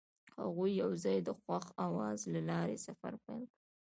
هغوی یوځای د خوښ اواز له لارې سفر پیل کړ.